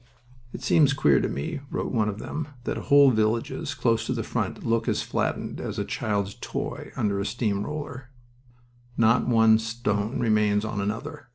"It seems queer to me," wrote one of them, "that whole villages close to the front look as flattened as a child's toy run over by a steam roller. Not one stone remains on another.